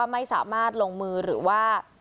ไม่สามารถลงมือหรือว่า